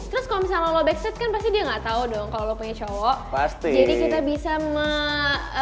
terus kalau misalnya lo backstreet kan pasti dia gak tau dong kalau lo punya cowok